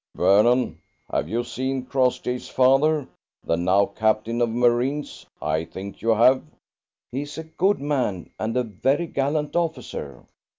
"Vernon, have you seen Crossjay's father, the now Captain of Marines? I think you have." "He's a good man and a very gallant officer."